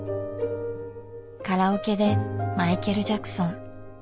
カラオケでマイケル・ジャクソン。